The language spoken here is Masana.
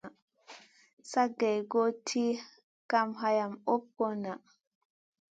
Sa gèh-goh tiʼi hayam hoɓ goy ŋaʼa.